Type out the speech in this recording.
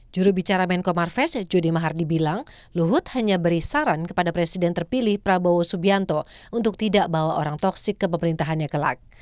jurubicara menko marves judi mahardi bilang luhut hanya beri saran kepada presiden terpilih prabowo subianto untuk tidak bawa orang toksik ke pemerintahannya kelak